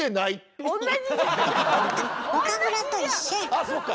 あそうか！